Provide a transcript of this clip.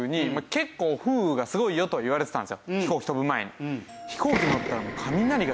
飛行機飛ぶ前に。